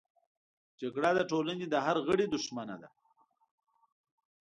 جګړه د ټولنې د هر غړي دښمنه ده